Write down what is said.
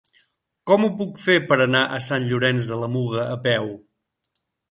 Com ho puc fer per anar a Sant Llorenç de la Muga a peu?